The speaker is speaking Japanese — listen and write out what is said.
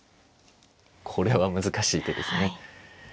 これは難しい手ですね。